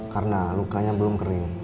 karena lukanya belum kering